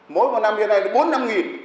mỗi năm hiện nay là bốn mươi năm